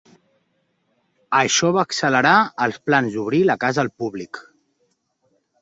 Això va accelerar els plans d’obrir la casa al públic.